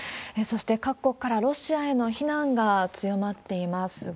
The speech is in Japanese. そして、各国からロシアへの非難が強まっています。